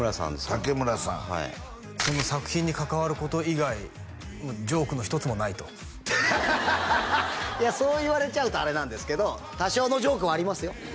竹村さんはいその作品に関わること以外ジョークの一つもないといやそう言われちゃうとあれなんですけど多少のジョークはありますよ？